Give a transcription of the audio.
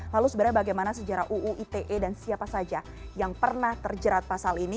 lalu sebenarnya bagaimana sejarah uu ite dan siapa saja yang pernah terjerat pasal ini